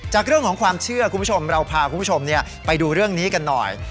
จากเรื่องของความเชื่อคุณผู้ชมเราพาคุณผู้ชมไปดูเรื่องนี้กันหน่อย